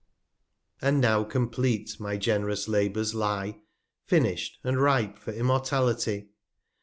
And now compleat my gen'rous Labours lye, Finish'd, and ripe for Immortality.